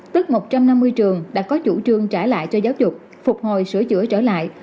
tức một trăm năm mươi trường đã có chủ trương trả lại cho giáo dục phục hồi sửa chữa trở lại